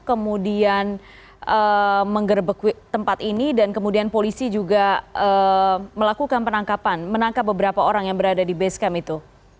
kemudian menggerbek tempat ini dan kemudian polisi juga melakukan penangkapan menangkap beberapa orang yang berada di base camp itu